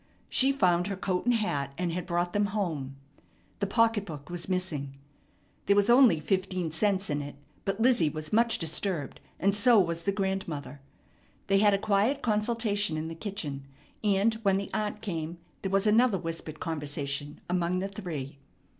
She found her coat and hat, and had brought them home. The pocketbook was missing. There was only fifteen cents in it; but Lizzie was much disturbed, and so was the grandmother. They had a quiet consultation in the kitchen; and, when the aunt came, there was another whispered conversation among the three.